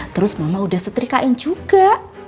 terus mama udah setrikain juga